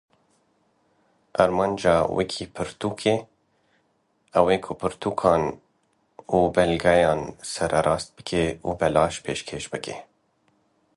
Armanca Wîkîpirtûkê ew e ku pirtûkan û belgeyan sererast bike û belaş pêşkêş bike.